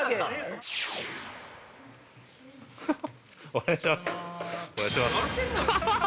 お願いします。